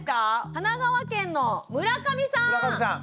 神奈川県の村上さん！